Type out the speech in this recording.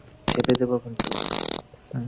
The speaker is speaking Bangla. চেপে দেবো কিন্তু।